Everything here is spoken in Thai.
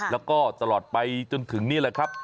แล้วก็ตลอดไปจนถึงนี่แหละครับ